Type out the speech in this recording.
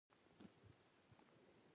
د فکر لپاره مغز اړین دی